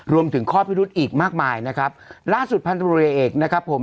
รวมถึงข้อพิรุธอีกมากมายนะครับล่าสุดพันธุรกิจเอกนะครับผม